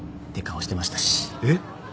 えっ？